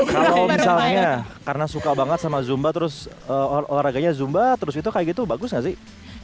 kalau misalnya karena suka banget sama zumba terus olahraganya zumba terus itu kayak gitu bagus gak sih